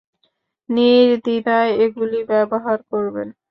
নির্দ্বিধায় এগুলি ব্যবহার করবেন।